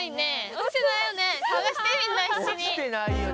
落ちてないよ。